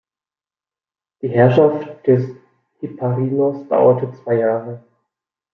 Die Herrschaft des Hipparinos dauerte zwei Jahre.